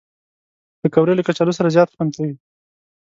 پکورې له کچالو سره زیات خوند کوي